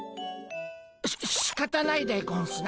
ししかたないでゴンスな。